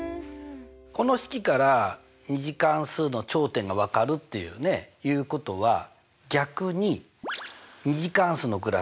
この式から２次関数の頂点がわかるということは逆に２次関数のグラフから？